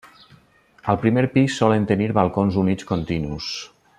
Al primer pis solen tenir balcons units continus.